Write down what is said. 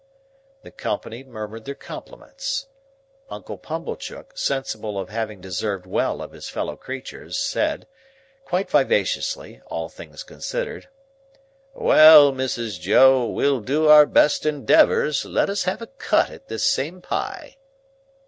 The company murmured their compliments. Uncle Pumblechook, sensible of having deserved well of his fellow creatures, said,—quite vivaciously, all things considered,—"Well, Mrs. Joe, we'll do our best endeavours; let us have a cut at this same pie."